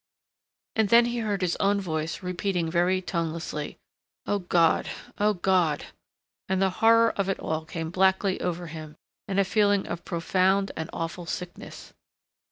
And then he heard his own voice repeating very tonelessly, "O God, O God," and the horror of it all came blackly over him and a feeling of profound and awful sickness....